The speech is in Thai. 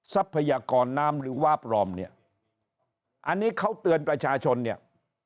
ทรัพยากรน้ำหรือวาบปลอมเนี่ยอันนี้เขาเตือนประชาชนเนี่ย